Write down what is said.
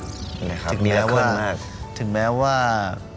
นะครับเคลื่อนมากถึงแม้ว่าถึงแม้ว่า